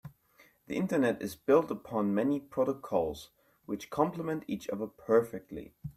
The internet is built upon many protocols which compliment each other perfectly.